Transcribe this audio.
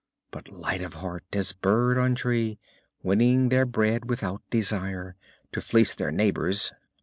But light of heart as bird on tree Winning their bread without desire To fleece their neighbors.